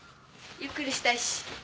ゆっくりしたいし。